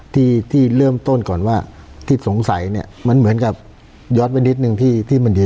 ที่ที่เริ่มต้นก่อนว่าที่สงสัยเนี่ยมันเหมือนกับย้อนไปนิดนึงที่มันดี